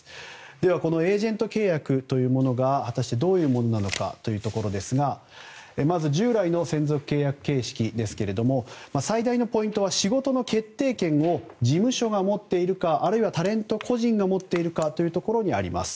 では、このエージェント契約というものが果たしてどういうものなのかというところですがまず、従来の専属契約形式ですが最大のポイントは仕事の決定権を事務所が持っているかあるいはタレント個人が持っているかというところにあります。